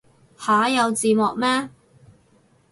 吓有字幕咩